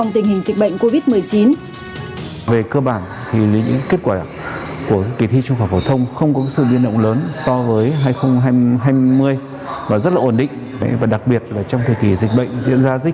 trong tình hình dịch bệnh covid một mươi chín